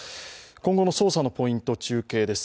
今後の捜査のポイント、中継です。